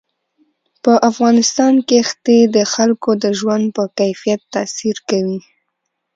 په افغانستان کې ښتې د خلکو د ژوند په کیفیت تاثیر کوي.